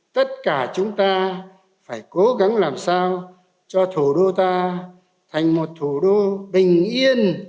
tất cả chúng ta phải cố gắng làm sao cho thủ đô ta thành một thủ đô bình yên